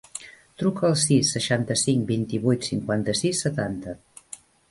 Truca al sis, seixanta-cinc, vint-i-vuit, cinquanta-sis, setanta.